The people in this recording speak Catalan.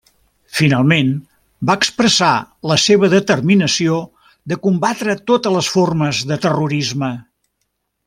Finalment, va expressar la seva determinació de combatre totes les formes de terrorisme.